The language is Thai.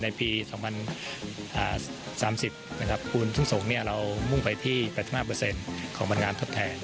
ในปี๒๐๓๐คุณทุ่งส่งเรามุ่งไปที่๘๕ของพันธุ์งานทดแทน